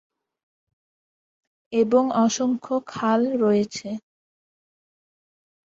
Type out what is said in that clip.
এবং অসংখ্য খাল রয়েছে।